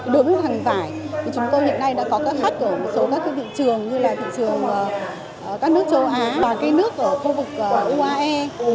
đối với hàng vải thì chúng tôi hiện nay đã có các khách ở một số các thị trường như là thị trường các nước châu á và nước ở khu vực uae